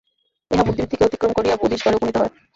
ইহা বুদ্ধিবৃত্তিকে অতিক্রম করিয়া বোধির স্তরে উপনীত হয়।